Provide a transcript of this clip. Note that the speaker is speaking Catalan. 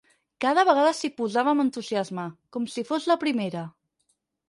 Cada vegada s'hi posava amb entusiasme, com si fos la primera.